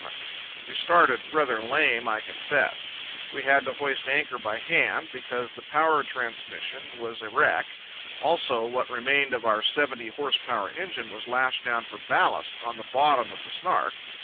We started rather lame, I confess. We had to hoist anchor by hand, because the power transmission was a wreck. Also, what remained of our seventy horse power engine was lashed down for ballast on the bottom of the Snark.